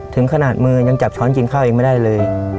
ถึงขนาดมือยังจับช้อนกินข้าวเองไม่ได้เลย